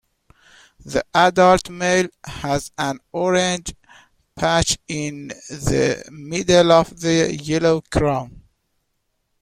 The adult male has an orange patch in the middle of the yellow crown.